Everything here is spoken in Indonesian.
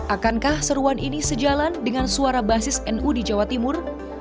akankah seruan ini sejalan dengan suara basis nu di jawa timur